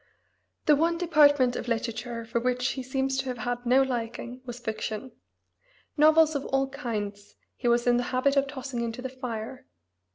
The one department of literature for which he seems to have had no liking was fiction. Novels of all kinds he was in the habit of tossing into the fire.